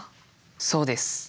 そうです。